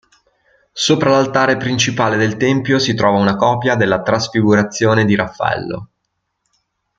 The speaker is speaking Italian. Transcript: Sopra l'altare principale del tempio si trova una copia della "Trasfigurazione" di Raffaello.